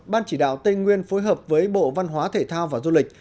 ban chỉ đạo tây nguyên phối hợp với bộ văn hóa thể thao và du lịch